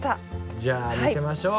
じゃあ見せましょう。